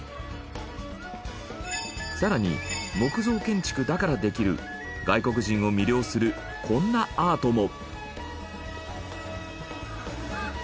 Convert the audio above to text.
さらに木造建築だからできる外国人を魅了するこんなアートも。